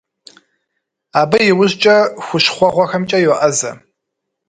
Абы иужькӀэ хущхъуэгъуэхэмкӀэ йоӀэзэ.